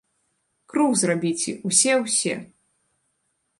Круг зрабіце, усе ўсе!